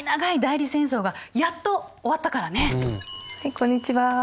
こんにちは。